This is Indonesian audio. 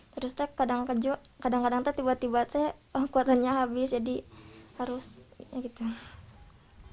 terus kadang kadang tiba tiba kuotanya habis jadi harus